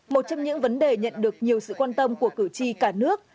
một trong những vấn đề nhận được nhiều sự quan tâm của cử tri cả nước